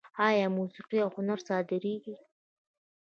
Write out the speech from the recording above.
آیا موسیقي او هنر صادریږي؟